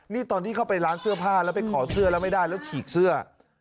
นี่ตอนที่เข้าไปร้านเสื้อผ้าแล้วไปขอเสื้อแล้วไม่ได้แล้วฉีกเสื้อ